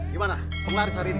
gimana penglaris hari ini